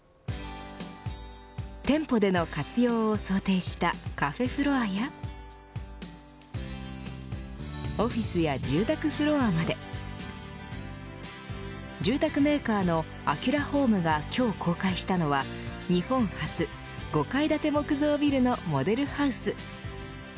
店舗での活用を想定したカフェフロアやオフィスや住宅フロアまで住宅メーカーのアキュラホームが今日公開したのは日本初、５階建て木造ビルのモデルハウス。